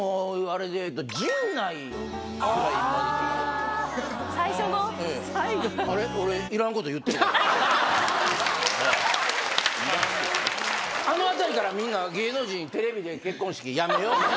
あのあたりからみんな芸能人テレビで結婚式やめようって。